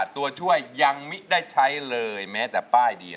ร้องได้ให้ร้าน